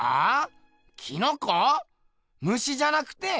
虫じゃなくて？